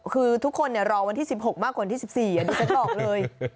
คือทุกคนรอวันที่๑๖มากกว่าวันที่๑๔อันนี้ฉันบอกเลย